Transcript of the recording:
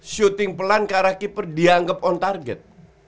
shooting pelan karakipur dianggap on target